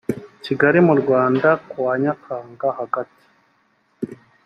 kigali mu rwanda ku wa nyakanga hagati